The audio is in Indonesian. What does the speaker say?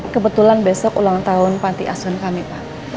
kebetulan besok ulang tahun panti asuhan kami pak